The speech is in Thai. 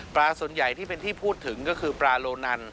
ส่วนใหญ่ที่เป็นที่พูดถึงก็คือปลาโลนัน